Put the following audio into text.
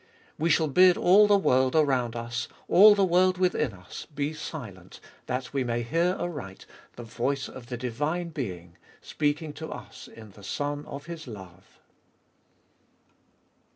We shall bid all the world around us, all the world within us, be silent that we may hear aright the voice of the divine Being speaking to us in the Son of His love.